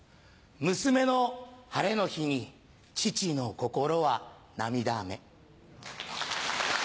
娘のハレの日に父の心は涙雨。